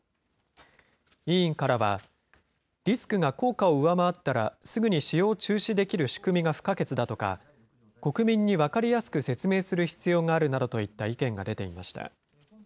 委員からは、リスクが効果を上回ったら、すぐに使用中止できる仕組みが不可欠だとか、国民に分かりやすく説明する必要があるなどといった意見が出ていました。